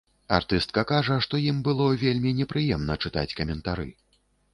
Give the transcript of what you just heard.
Артыстка кажа, што ім было вельмі непрыемна чытаць каментары.